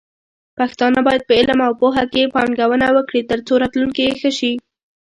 پښتانه بايد په علم او پوهه کې پانګونه وکړي، ترڅو راتلونکې يې ښه شي.